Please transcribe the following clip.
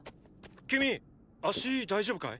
君足大丈夫かい？